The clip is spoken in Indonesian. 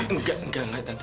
enggak enggak enggak tante